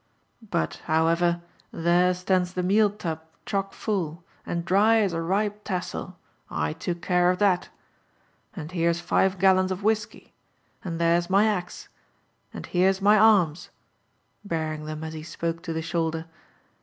But, however, there stands the meal tub chock full, and dry as a ripe tassel, — I took care of that. And here's five gallons of whisky, and there's my axe, and here's my arms," baring them as he spoke to the shoulder.